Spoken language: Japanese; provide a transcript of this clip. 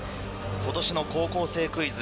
今年の『高校生クイズ』